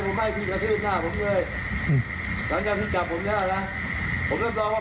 พ่อหยิบมีดมาขู่จะทำร้ายแม่แล้วขังสองแม่